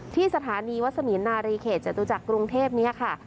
ที่สถานีวัสมีนารีเขตจตุจักรกรุงเทพนี้ค่ะ